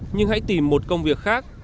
nhưng hãy tìm một công việc khác